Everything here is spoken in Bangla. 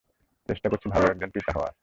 চেষ্টা করছি ভালো একজন পিতা হওয়ার!